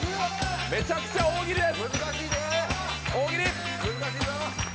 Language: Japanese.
めちゃくちゃ大喜利です。